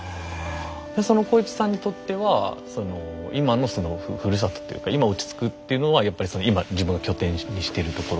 そのこいちさんにとっては今のそのふるさとっていうか今落ち着くっていうのはやっぱりその今自分が拠点にしてるところ。